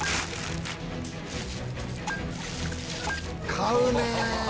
買うね！